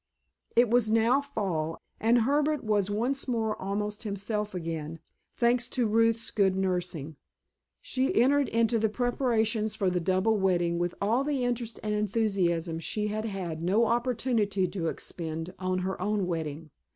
It was now fall, and Herbert was once more almost himself again, thanks to Ruth's good nursing. She entered into the preparations for the double wedding with all the interest and enthusiasm she had had no opportunity to expend on her own wedding.